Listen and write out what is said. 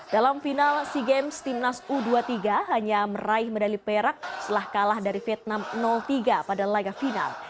dalam final sea games timnas u dua puluh tiga hanya meraih medali perak setelah kalah dari vietnam tiga pada laga final